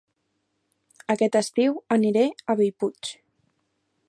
Aquest estiu aniré a Bellpuig